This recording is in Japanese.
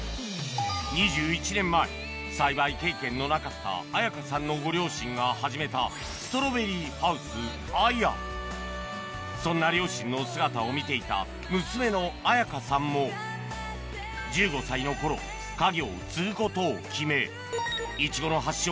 ２１年前栽培経験のなかった彩花さんのご両親が始めたそんな両親の姿を見ていた娘の彩花さんもイチゴの発祥